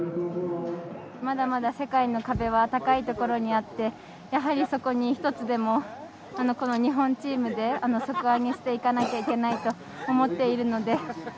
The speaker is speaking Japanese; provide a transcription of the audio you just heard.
まだまだ世界の壁は高いところにあってやはりそこに１つでも日本チームで底上げしていかなきゃいけないと思っているので。